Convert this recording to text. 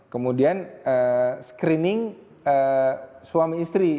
kemudian screening suami istri